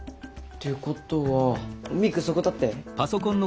ってことはミクそこ立って。